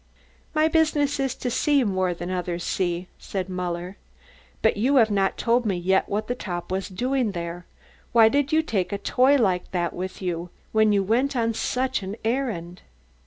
"My business is to see more than others see," said Muller. "But you have not told me yet what the top was doing there. Why did you take a toy like that with you when you went out on such an errand?"